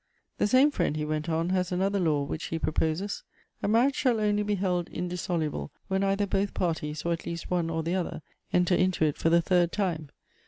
" The same friend," he went on, " has another law which he proposes. A marriage shall only be held indissoluble when either both parties, or at least one or the other, enter into it for the third time.